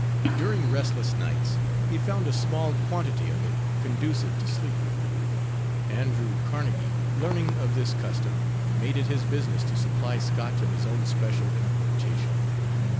During restless nights he found a small quantity of it conducive to sleep. Andrew Carnegie, learning of this custom, made it his business to supply Scotch of his own special importation.